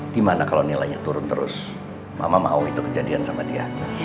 gimana kalau nilainya turun terus mama mau itu kejadian sama dia